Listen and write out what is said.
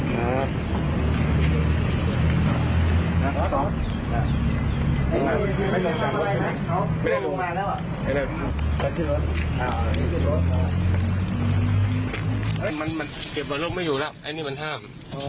มันเก็บและติดเวลาไม่อยู่แล้วไอเนี้ยมันท่าม